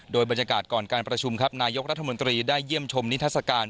โดยบรรยากาศก่อนการประชุมครับนายกรัฐมนตรีได้เยี่ยมชมนิทัศกาล